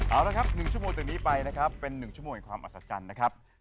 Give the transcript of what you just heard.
เอาละครับ๑ชั่วโมงจากนี้ไปนะครับเป็น๑ชั่วโมงแห่งความอัศจรรย์นะครับ